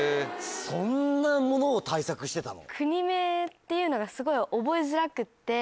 そんなものを対策してたの？